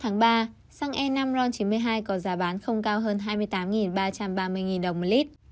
ngày hai mươi một ba xăng e năm ron chín mươi hai có giá bán không cao hơn hai mươi tám ba trăm ba mươi đồng một lít